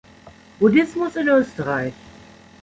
Buddhismus in Österreich